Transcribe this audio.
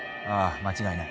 間違いない。